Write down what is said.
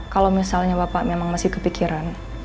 kalau misalnya bapak memang masih kepikiran